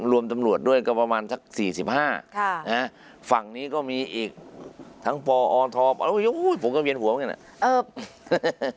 ตำรวจด้วยก็ประมาณสัก๔๕ฝั่งนี้ก็มีอีกทั้งปอทผมก็เวียนหัวเหมือนกันอ่ะ